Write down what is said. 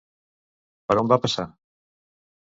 Per on va passar?